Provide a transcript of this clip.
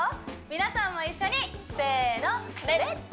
皆さんも一緒にせーの「レッツ！